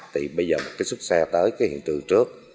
thì bây giờ cái xuất xe tới cái hiện tượng trước